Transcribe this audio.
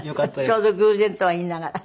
ちょうど偶然とは言いながら。